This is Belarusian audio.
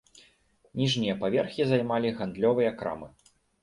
Ніжнія паверхі займалі гандлёвыя крамы.